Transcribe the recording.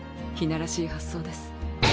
ひならしい発想です。